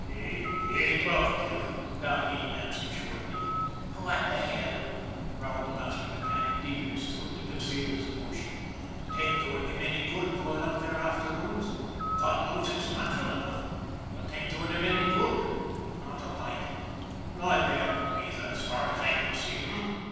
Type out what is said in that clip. GUARDIAN OF THE DEVIL'S SLIDE 163 " He ain't talkative/' Dahleen answered shortly. " What the hell," growled the master mechanic deep in his throat, to conceal his emotion. " 'Tain't doing him any good going up there afternoons. God knows it's natural enough, but 'tain't doing him any good, not a mite nor them either, as far as I can see, h'm